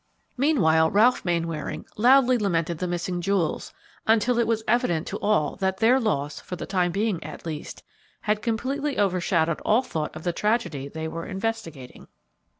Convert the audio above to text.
Meanwhile Ralph Mainwaring loudly lamented the missing jewels, until it was evident to all that their loss, for the time at least, had completely overshadowed all thought of the tragedy they were investigating.